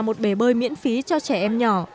một bể bơi miễn phí cho trẻ em nhỏ